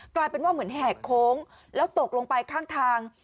กลายเป็นว่าเหมือนแหกโค้งแล้วตกลงไปข้างทาง